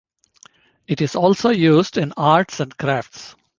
It is also used in arts and crafts.